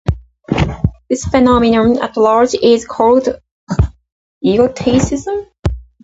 This phenomenon at large is called iotacism.